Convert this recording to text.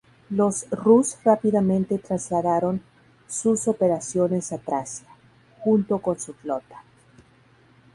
Los rus rápidamente trasladaron sus operaciones a Tracia, junto con su flota.